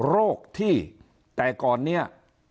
โรคที่แต่ก่อนเนี่ย